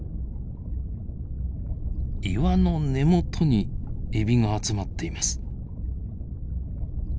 岩の根元にエビが集まっています。